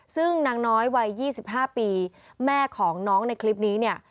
ซึ่งนางน้อยวัย๒๕ปีแม่ของน้องในคลิปนี้เนี่ย